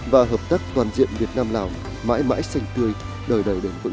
và hợp tác toàn diện việt nam lào mãi mãi sành tươi đời đời đầm vững